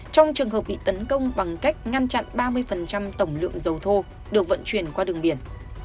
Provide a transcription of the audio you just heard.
trong trường hợp bị tấn công bằng cách ngăn chặn ba mươi tổng lượng dầu thô được vận chuyển qua đường biển